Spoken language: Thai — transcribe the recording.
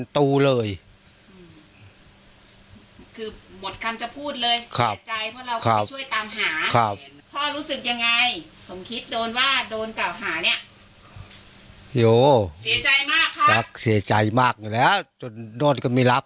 หมูหายครับครับครับผมและบ้างต้อย๓คนครับ